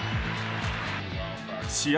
試合